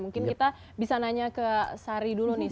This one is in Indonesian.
mungkin kita bisa nanya ke sari dulu nih